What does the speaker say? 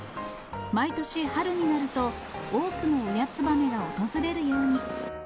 毎年春になると、多くの親ツバメが訪れるように。